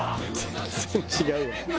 全然違うわ。